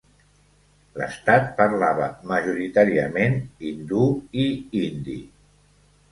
L'estat parlava, majoritàriament, hindú i hindi.